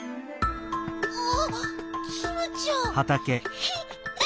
あっツムちゃん。